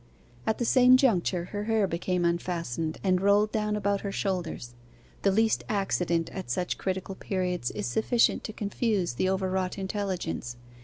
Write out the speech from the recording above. At the same juncture her hair became unfastened, and rolled down about her shoulders. The least accident at such critical periods is sufficient to confuse the overwrought intelligence.